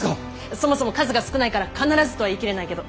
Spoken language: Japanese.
そもそも数が少ないから必ずとは言い切れないけど。